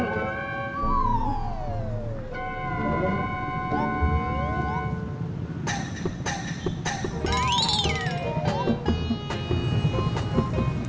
tidak ada yang bisa dihukum